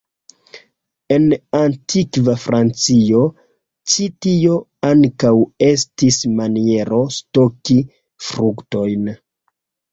En antikva Francio, ĉi tio ankaŭ estis maniero stoki fruktojn.